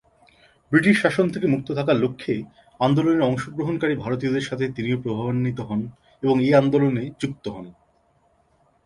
British শাসন থেকে মুক্ত থাকার লক্ষ্যে আন্দোলনে অংশগ্রহণকারী ভারতীয়দের সাথে তিনিও প্রভাবান্বিত হন এবং এ আন্দোলনে যুক্ত হন।